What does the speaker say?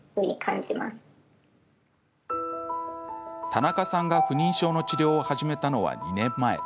田中さんが不妊症の治療を始めたのは、２年前。